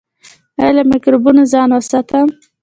ایا له مکروبونو ځان وساتم؟